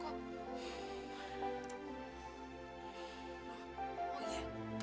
kakak boleh pulang kok